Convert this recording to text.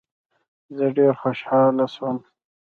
زه ډیر خوشحاله سوم.